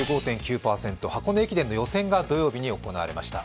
箱根駅伝の予選が土曜日に行われました。